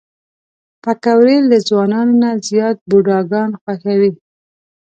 پکورې له ځوانانو نه زیات بوډاګان خوښوي